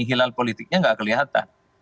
hilal politiknya gak kelihatan